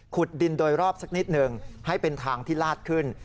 ดินโดยรอบสักนิดหนึ่งให้เป็นทางที่ลาดขึ้น